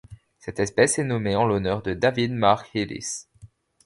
Cette espèce est nommée en l'honneur de David Mark Hillis.